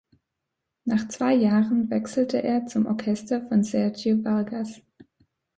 Nach zwei Jahren wechselte er zum Orchester von Sergio Vargas.